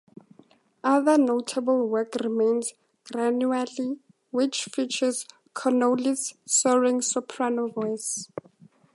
Other notable work remains "Granuaile", which features Connolly's soaring soprano voice.